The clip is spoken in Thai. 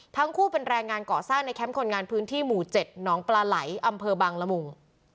ทั้งคู่เป็นแรงงานก่อสร้างในแคมป์คนงานพื้นที่หมู่๗หนองปลาไหลอำเภอบังละมุง